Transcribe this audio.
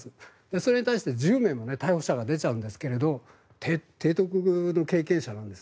それに対して１０名も逮捕者が出ちゃうんですが提督の経験者なんです。